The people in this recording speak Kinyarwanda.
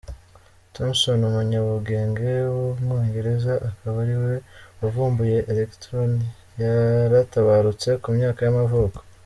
Thomson, umunyabugenge w’umwongereza, akaba ariwe wavumbuye Electron yaratabarutse, ku myaka y’amavuko.